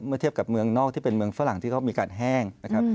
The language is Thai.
เทียบกับเมืองนอกที่เป็นเมืองฝรั่งที่เขามีการแห้งนะครับ